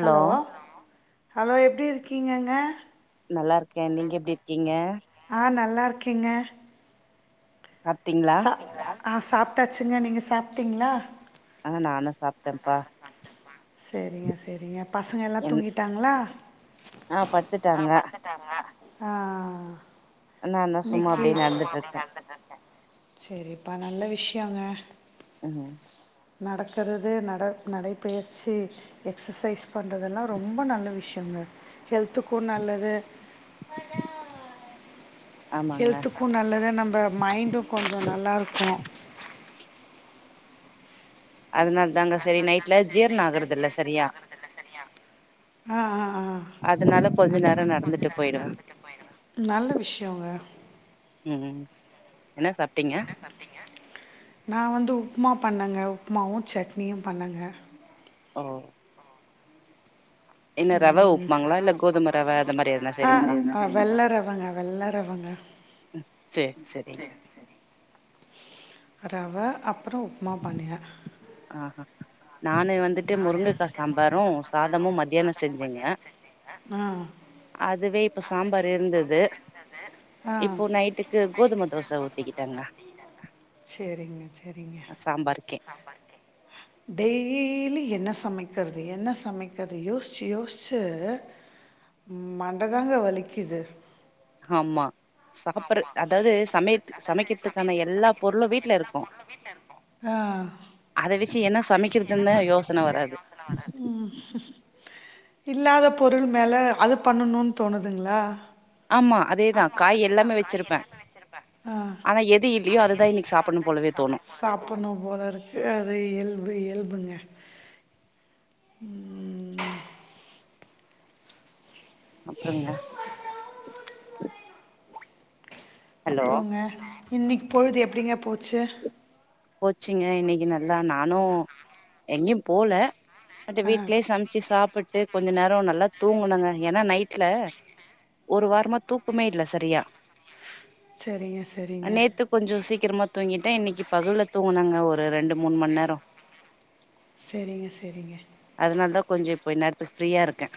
Hello hello எப்டி இருக்கீங்கங்க நல்லா இருக்கே நீங்க எப்டி இருக்கீங்க ஆ நல்லா இருக்கேங்க சாப்ட்டீங்ளா சா ஆ சாப்ட்டாச்சுங்க நீங்க சாப்ட்டீங்ளா ஆ நானு சாப்ட்டேம்ப்பா சேரிங்க சேரிங்க பசங்க எல்லா என் தூங்கிட்டாங்களா ஆ படுத்துட்டாங்க ஆ நான்தா சும்மா இன்னைக்கு அப்டியே நடந்துட்டு இருக்கே சேரிப்பா நல்லா விஷ்யோங்க அ நடக்கிறது நட நடைபயிற்சி எக்ஸசைஸ் பண்றதெல்லா ரொம்ப நல்ல விஷ்யோங்க ஹெல்த்துக்கு நல்லது ஆமாங்க ஹெல்த்துக்கு நல்லது நம்ப மைண்டு கொஞ்ச நல்லாருக்கு அதனால தாங்க சேரி நைட்ல ஜீரண ஆகுறதில்ல சரியா ஆ ஆ ஆ அதனால கொஞ்ச நேரம் நடந்துட்டு போயிடுவே நல்ல விஷ்யோங்க ம் ம் என்ன சாப்ட்டீங்க நா வந்து உப்மா பண்ணங்க உப்மாவு சட்னியு பண்ணங்க ஓ என்ன ரவ உப்மாங்களா இல்ல கோதுமர ஆ ஆ வெள்ள ரவங்க வெள்ள ரவங்க ம் சேர் சேரிங்க ரவ அப்றோ உப்மா பண்ணேங்க ஆஹா நானு வந்துட்டு முருங்கக்கா சாம்பாரு சாதமு மத்யான செஞ்சேங்க ஆ அதுவே இப்ப சாம்பார் இருந்தது ஆ இப்போ நைட்டுக்கு கோதும தோச ஊத் திக்கிட்டங்க சேரிங்க சேரிங்க சாம்பாருக்கே டெய் ய்லி என்ன சமைக்கிறது என்ன சமைக்கிறது யோசுச்சு யோசுச்சு ம் மண்ட தாங்க வலிக்குது ஆமா சாப்பற ஆமா அதாவது சப்புட்ற சமையத் அதாவ்து சமைக்கிறதுக்கான சமையத்துக்கு எல்லா பொருளு சமைக்கிறதுக்கான வீட்ல எல்லா இருக்கு பொருளு வீட்ல இருக்கு ஆ அத வெச்சு என்ன சமைக்கிறதுன் தா யோசன வராது ம் இல்லாத பொருள் மேல அத பண்ணணுன் தோணுதுங்களா ஆமா அத் ஆமா அதேதா காய் எல்லாமே வெச்சிருப்பே ஆனா எது இல்லையோ ஆனா அதுதா எது இன்னைக்கு இல்லையோ சாப்பட்ணு அததா போலவே இன்னைக்கு தோணு சாப்பிட்ணும் போல சாப்பிட்ணு போல இருக்கு அது இயல்பு இயல்புங்க ம் ருங்க ஹலோ அப்றோங்க இன்னைக்கு பொழுது எப்டிங்க போச்சு போச்சிங்க இன்னைக்கு நல்லா நானு எங்கேயு போல அட்டு ஆ வீட்லேயே சமைச்சு சாப்பிட்டு கொஞ்ச நேரோ நல்லா தூங்குனுங்க ஏன்னா நைட்ல ஒரு வாரமா தூக்குமே இல்ல சரியா சரிங்க சரிங்க நேத்து கொஞ்சோ சீக்கிரமா தூங்கிட்டே இன்னைக்கு பகல்ல தூங்குனாங்க ஒரு ரெண்டு மூணு மணி நேரோ செரிங்க செரிங்க அதனால தா கொஞ்ச இப்ப இன் நேரத்துக்கு ஃப்ரியா இருக்கே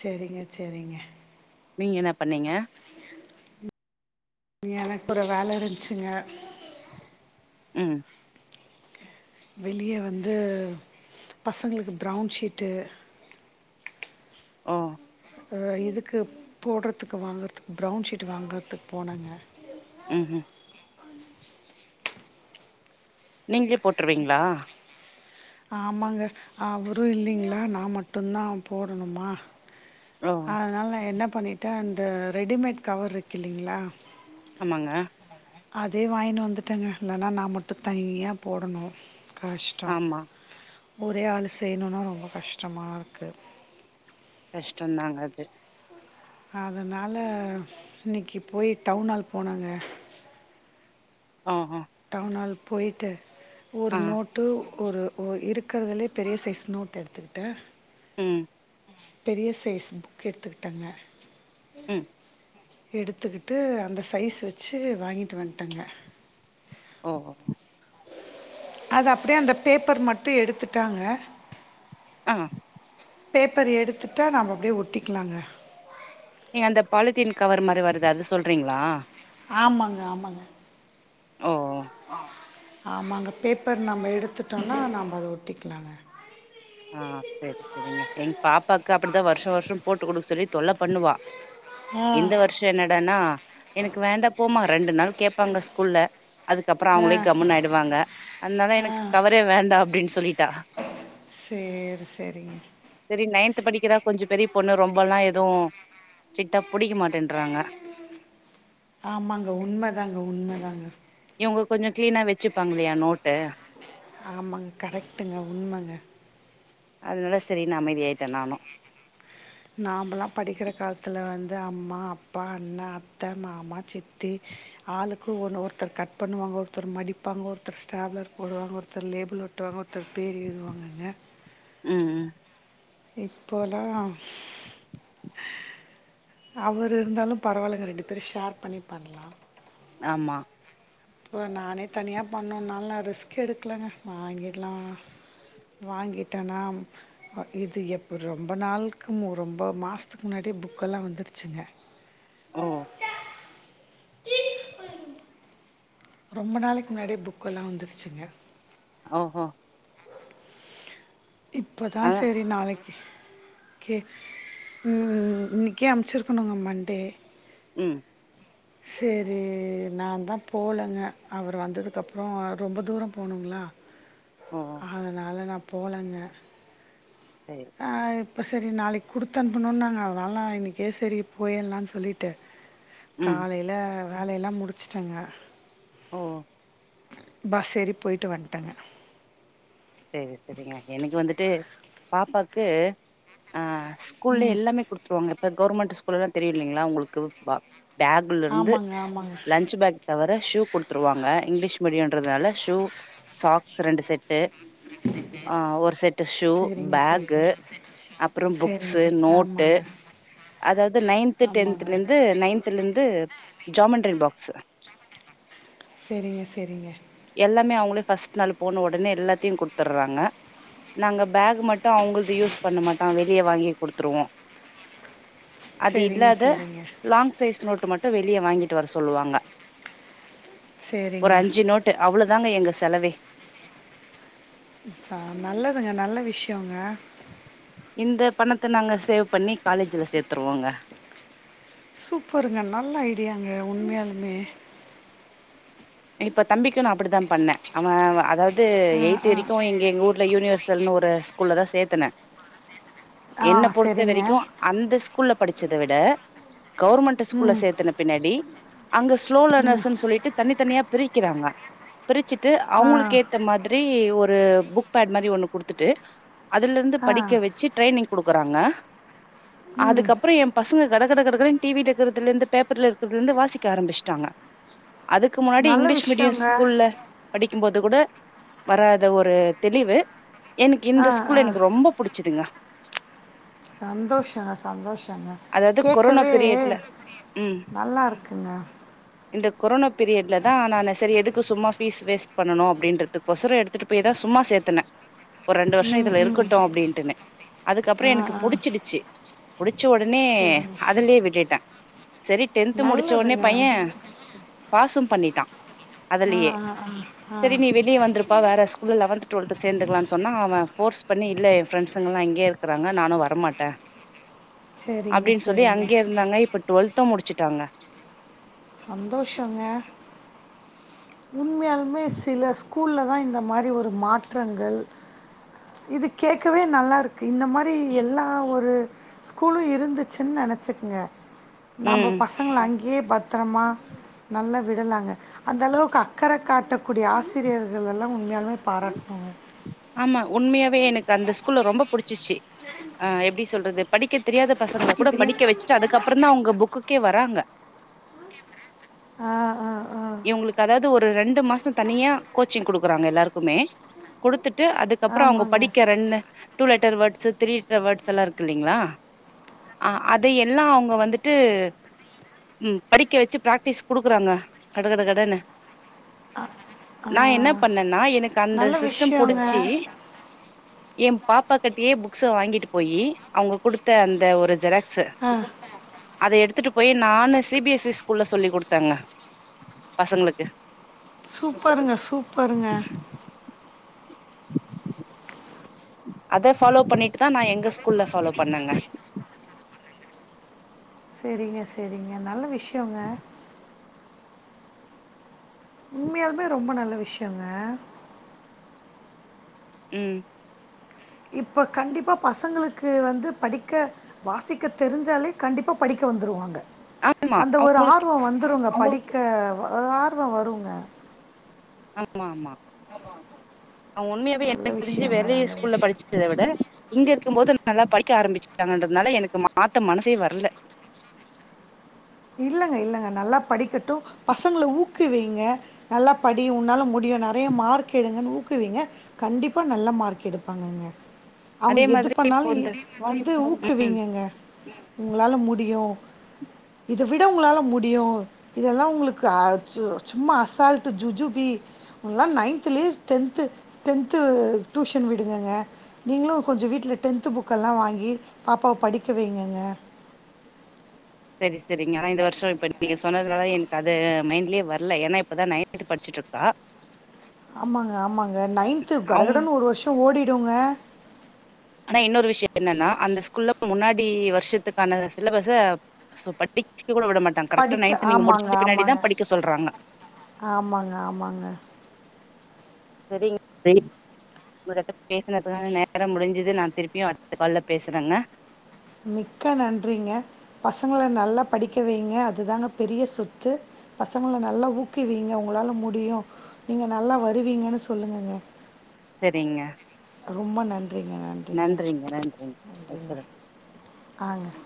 செரிங்க செரிங்க நீங்க என்ன பண்ணீங்க நீங்க எனக்கு ஒரு வேல இருந்துச்சுங்க ம் வெளியே வந்து பசங்களுக்கு ப்ரவுன் ஷீட்டு ம் ஆ இதுக்கு போடுறதுக்கு வாங்கிறதுக்கு ப்ரவுன் ஷீட்டு வாங்கறத்துக்கு போனாங்க ம்ஹூம் நீங்களே போட்ருவீங்களா ஆமாங்க அவரு இல்லைங்களா நா மட்டும்தா போடணுமா ஓ! அதனால நா என்ன பண்ணிட்டே அந்த ரெடிமேட் கவர்ருக்கு இல்லைங்களா ஆமாங்க அதே வாங்கின்னு வந்துட்டேங்க இல்லைன்னா நா மட்டு தனியா போடணு கஷ்டோ ஆமா. ஒரே ஆள்ளு செய்யணும்னா ரெம்ப கஷ்டமா இருக்கு கஷ்டோந்தாங்க அது அதனால இன்னைக்கி போய் டவுன்ஹால் போனாங்க ஆஹ டவுன்ஹால் போய்ட்டு ஒரு ஆ. நோட் டு ஒரு ஒர் இருக்கறதுலே பெரிய சைஸ் நோட் எடுத்துக்கிட்டே ம் பெரிய சைஸ் புக் எடுத்துக்கிட்டேங்க ம் எடுத்துக்கிட்டு அந்த சைஸ் வச்சு வாங்கிட்டு வந்துட்டேங்க ம்ம் அது அப்டியே அந்த பேப்பர் மட்டு எடுத்துட்டாங்க ஆ பேப்பர் எடுத்துட்டா நம்ம அப்டியே ஒட்டிக்கலாங்க நீங்க அந்த பாலித்தீன் கவர் மாரி வருதே அது சொல்றீங்களா ஆமாங்க ஆமாங்க ஓ ஆமாங்க பேப்பர் நம்ப எடுத்துட்டோனா நம்ப அத ஒட்டிக்கலாங்க ஆ செர் செரிங்க எங் பாப்பாவுக்கு அப்டித்தா வருஷோ வருஷோ போட்டு குடுக்க சொல்லி தொல்ல பண்ணுவா ஆ இந்த வருஷோ என்னடானா எனக்கு வேண்டா போமா ரெண்டு நாள் கேப்பாங்க ஸ்கூல்ல அதுக்கப்புறோ ஆ அவங்களே கம்முன்னு ஆயிடுவாங்க அதனால எனக்கு கவரே வேண்டா அப்டின்னு சொல்லிட்டா செரி செரிங்க செரி நைன்த் படிக்கிற கொஞ்ச பெரிய பொண்ணு ரொம்பெல்லா எதுவு ஸ்ட்ரிக்டா ப புடிக்க மாட்டேன்றாங்க ஆமாங்க உண்மைதாங்க உண்மைதாங்க இவங்க கொஞ்ச கிளீனா வச்சுப்பாங்கல்லையா நோட்டு ஆமாங்க கரெக்டுங்க உண்மங்க அதனால செரின்னு அமைதியாயிட்ட நானு நாம்பலா படிக்கிற காலத்து வந்து அம்மா அப்பா அண்ணா அத்த மாமா சித்தி ஆளுக்கு ஒன்னு ஒருத்தர் கட் பண்ணுவாங்க ஒருத்தர் மடிப்பாங்க ஒருத்தர் ஸ்டாபுலர் போடுவாங்க ஒருத்தர் லேபிள் ஒட் டுவாங்க ஒருத்தர் பேர் எழுதுவாங்கங்க ம் இப்போலா அவரு இருந்தாலு பரவால்லங்க ரெண்டு பேரு ஷேர் பண்ணி பண்லா ஆமா இப்போ நானே தனியா பண்னால நா ரிஸ்கு எடுக்கலங்க வாங்கிட்லா வாங்கிட்டனா இது எப்போ ரொம்ப நாள்க்கு மு ரொம்ப மாஸ்த்துக்கு முன்னாடியே புக்கெல்லா வந்துடுச்சுங்க ம் ரொம்ப நாளைக்கு முன்னாடியே புக்கெல்லா வந்துருச்சுங்க ஓஹோ இப்பதா அதா செரி நாளைக்கு கே இன் இன்னிக்கே அமுச்சிருக்கனுங்க மண்டே ம் செரி நா தா போலங்க அவரு வந்ததுக்கப்புறோ ரொம்ப தூரோ போனுங்ளா ஓ அதனால நா போலங்க சேரி ஆ இப்ப செரி நாளைக் குடுத்து அனுப்புன்னு நாங்க அதனால இன்னிக்கே செரி போயர்லான் சொல்லிட்டு ம் காலையில வேலையெல்லா முடிச்ட்டங்க ஓ பஸ் ஏறி போய்ட்டு வன்ட்டங்க செரி செரிங்க எனக்கு வந்துட்டு பாப்பாக்கு ஆ ஸ்கூல்ல எல்லாமே குடு ஒங்க இப்ப கவர்மெண்ட்டு ஸ்கூல்லா தெரியு இல்லைங்ளா உங்களுக்கு வா பேகுல இருந்து ஆமாங்க ஆமாங்க லன்ஞ்ச் பேக் தவர ஷூ குடுத்துருவாங்க இங்க்லீஷ் மீடியன்றதால ஷூ சாக்ஸ் ரெண்டு செட்டு ஆ ஒரு செட்டு ஷூ சரிங்க பேக்கு சரிங்க அப்றோ சரிங்க புக்ஸு நோட்டு ஆமாங்க அதாது நைன்த் ஆமாங்க டென்த்லந்து நைன் த்ல இந்து ஜாமெண்ட்ரி பாக்ஸு செரிங்க செரிங்க எல்லாமே அவுங்களே ஃபஸ்ட் நாள் போன ஒடனே எல்லாத்தியு குட்த்தற்றாங்க நாங்க பேக் மட் டு அவங்கள்து யூஸ் பண்ண மாட்டா வெளிய வாங்கி குடுத்துருவோ அது சரிங்க இல்லாத சரிங்க லாங் சைஸ் நோட்டு மட்டு வெளிய வாங்கிட்டு வர சொல்லுவாங்க ஒரு சரிங்க அஞ்சு நோட் ட்டு அவ்ளோ தாங்க எங்க செலவே ச நல்லதுங்க நல்ல விஷ்யோங்க இந்த பணத்த நாங்க சேவ் பண்ணி காலேஜ்ல சேத்துருவோங்க சூப்பருங்க நல்ல ஐடியாங்க உண்மையாலுமே இப்ப தம்பிக்கு நா அப்டிதா பண்ணே அவ அதாவது ஆ எய்த்து ஆ வரிக் து எங்க எங்க ஊர்ல யுனிவர்சல்ன்னு ஒரு ஸ்கூல்ல தா சேத்துன ஆ என்ன பொறுத்த சரிங்க வெரிக்கு அந்த ஸ்கூல்ல படிச்சத விட கவுர்மெண்ட்டு ஸ்கூல்ல ம் சேத்தன பின்னாடி அங்க ஸ்லோ லேனர்ஸுன் சொல்லிட்டு தனி தனியா பிரிக்கிறாங்க பிரிச்சிட்டு ஆ அவங்களுக்கு ஏத் த மாதிரி ஒரு புக் பேட் மாரி ஒண்ணு குடுத்துட்டு அதுல இருந்து ஆ படிக்க வச் சி ட்ரெய்னிங் குடுக்குறாங்க ம் அதுக்கப்றோ ஏம் பசங்க கட கட கட கடன் டி வி டெக்கரத்துலருந்து பேப்பர்ல இருக்றதுலர்ந்து வாசிக்க ஆரம்பிச்ட்டாங்க அதுக்கு முன்னாடி நல்ல இங் விஷயங்க ல படிக்கும்போது கூட வராத ஒரு தெளிவு எனக்கு ஆ இந்த ஸ்கூல் ஆ எனக்கு ரொம்ப புடிச்சதுங்க சந்தோஷங்க சந்தோஷங்க அதாவது கொரோனா கேக்கவே பீரியட்ல ம் நல்லா இருக்குங்க இந்த கொரோனோ பீரியட்லதா நானு செரி எதுக்கு சும்மா ஃபீஸ் வேஸ்ட் பண்ணணு அப்டின்றதுக்கோசறோ எடுத்துட்டு பேய்தா சும்மா சேத்த நா ஒர் ரெண்டு வருஷோ ம் இதுல ம் இருக்கட்டு அப்டின்ட்டுனு அதுக்கப்றோ ஆ எனக்கு ஆ புடிச்சிடுச்சி ச்ச ஒடனே சரிங்க அதுலயே விட்டுட்டே செரி டென்த்து முடிச்ச ஒடனே நல்லதுங்க பையே பாசும் பண்ணிட்டா ஆ அதுலயே ஆ ஆ ஆ செரி நீ வெளிய வந்ருப் பா வேற ஸ்கூல்ல லவன்த்து டுவல்த்து சேந்துர்லான் சொன்னா அவ ஃபோர்ஸ் பண்ணி இல்ல ஏ ஃப்ரண்ஸுங்கலா இங்கயே ருக்குறாங்க நானு வரமாட்டே சரிங்க அப்டின் சொல்லி சரிங்க அங்கயே இருந்தாங்க இப்ப டுவல்த்து முடிச்சிட்டாங்க சந்தோஷோங்க உண்மையாலுமே சில ஸ்கூல்லதா இந்த மாரி ஒரு மாற்றங்கள் இது கேக்கவே நல்லாருக்கு இந்த மாரி எல்லா ஒரு ஸ்கூலு இருந்துச்சுன் நெனச்சிக்ங்க நம்ப ம் பசங்கள அங்கயே பத்தரமா நல்லா விடலாங்க அந்த அளவுக் கு அக்கற காட்டக்கூடிய ஆசிரியர்களெல்லா உண்மையாலுமே பாராட்டணுங்க ஆமா உண்மையாவே எனக்கு அந்த ஸ்கூல ரொம்ப புடிச்சுர்ச்சி ஆ எப்டி சொல்றது படிக்க தெரியாத பசங்கள ஓகே கூட பிரியா. படிக்க வச்சிட்டு அதுக்கப்றந்தா அவங்க புக்குக்கே வராங்க ஆ ஆ ஆ இவங்களுக்கு அதாவது ஒரு ரெண்டு மாசோ தனியா கோச்சிங் குடுக்குறாங்க எல்லாருக்குமே குடுத்துட்டு அதுக் கப்றோ அவங்க ஆமாங்க. படிக்க ரெண்டு two letter words three letter வேர்ட்ஸெல்லா இருக்குலிங்ளா இல்லலைங்களா ஆ அத எல்லா அவங்க வந்துட்டு ம் படிக்க வச்சி பிராக்டிஸ் குடுக்குறாங்க கட கட கடனு ஆ நா என்னாப் பண்ணனா எனக்கு அந்த நல்ல சிஸ்டம் விஷயங்க. புடிச்சி ஏ பாப்பா கட்டயே புக்ஸ வாங்கிட்டு போயி அவங்க குடுத்த அந்த ஒரு ஜெராக்ஸ்ஸு ஆ அத எடுத்துட்டு போயி நானு சி பி எஸ் இ ஸ்கூல்ல சொல்லி குடுத்தங்க பசங்களுக்கு சூப்பருங்க சூப்பருங்க அத ஃபாலோ பண்ணிட்டுதா நா எங்க ஸ்கூல்ல ஃபாலோ பண்ணங்க செரிங்க செரிங்க நல்ல விஷயோங்க உண்மையாலுமே ரொம்ப நல்ல விஷயோங்க ம் இப்போ கண்டிப்பா பசங்களுக்கு வந்து படிக்க வாசிக்க தெரிஞ்சாலே கண்டிப்பா படிக்க வந்துருவாங்க ஆமா அந்த ஒரு அவங்களுக்கு ஆர்வோ வந்துருங்க படிக்கவ் அ ஆர்வோ வருங்க ஆமாமா அவ உண்மையாவே நல்ல எனக்கு தெரிஞ்சி விஷயங்க வெளிய நல்ல ஸ்கூல்ல விஷயம் படிச் சத விட இங்க இருக்கும் போது நல்லா படிக்க ஆரம்பிச்சிட்டாங்கன்றதுனால எனக்கு மாத்த மனசே வரல இல்லங்க இல்லங்க நல்லா படிக்கட்டு பசங்கள ஊக்கு விங்க நல்லா படி உன்னால முடியு நெறய மார்க் எடுங்கன்னு ஊக்குவிங்க கண்டிப்பா நல்ல மார்க் எடுப்பாங்கங்க அவங்க அதே எது மாதிரி இப்போ பண்ணாலு இந்த வந்து ம் ஊக்குவிங்கங்க உங்களால முடியு இத விட உங்களால முடியு இதெல்லா உங்களுக்கு அ சு சும்மா அசால்ட்டு ஜுஜுபி ல்லா நைன்த்துலேயே டென்த்து டென்த்து டியூஷன் விடுங்கங்க நீங்களு கொஞ்ச வீட்ல டென்த்து புக்கெல்லா வாங்கி பாப்பாவ படிக்க வைங்கங்க செரி செரிங்க ஆனா இந்து வருஷ இப்ப நீங்க சொன்ன துனால எனக்கு அது மைண்ட்லயே வரல ஏன்னா இப்ப தா நைன்த் படிச்சுட்ருக்கா ஆமாங்க ஆமாங்க நைன்த்து அவங்க கடகடன்னு ஒரு வருஷ ஓடிடுங்க ஆனா இன்னொரு விஷய என்னன்னா அந்த ஸ்கூல்ல முன்னாடி வருஷத்துக்கான சிலபஸ்ஸ சோ படிக்க கூட விட மாட்டங்க கரெக்டா படிக்க நைன்த நீங்க ஆமாங்க, முடிச்சுட்டு பின்னாடி ஆமாங்க. தா படிக்க சொல்றாங்க ஆமாங்க ஆமாங்க செரிங் [inaudible] உங்கத்து பேசினதுக்கான நேர முடிஞ்சது நா திருப்பியு அடுத்த கால்ல பேசுறங்க மிக்க நன்றிங்க பசங்கள நல்லா படிக்க வைங்க அதுதாங்க பெரிய சொத்து பசங்கள நல்லா ஊக்குவீங்க உங்களால முடியு நீங்க நல்லா வருவீங்கன்னு சொல்லுங்கங்க செரிங்க ரொம்ப நன்றிங்க நன்றிங்க நன்றிங்க வச்சுறே நன்றிங்க ஆங்க